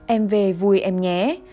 em về vui em nhé